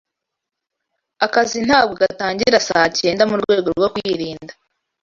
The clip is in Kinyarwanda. Akazi ntabwo gatangira saa cyenda murwego rwo kwirinda.